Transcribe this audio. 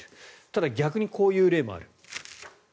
ただ、逆にこういう例もある。